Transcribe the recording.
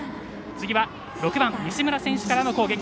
次は６番、西村選手からの攻撃。